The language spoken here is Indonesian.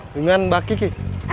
bungan mbak kiki